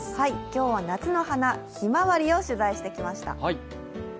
今日は夏の花、ひまわりを取材してきました。